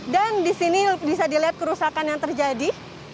dan di sini bisa dilihat kerusakan yang terjadi